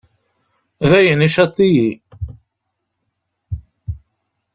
Dayen, icaḍ-iyi.